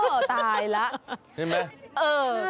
โอ้ตายแล้ว